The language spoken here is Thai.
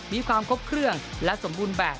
มีความครบเครื่องและสมบูรณ์แบบ